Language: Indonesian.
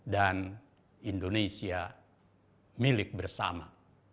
dan indonesia milik bersama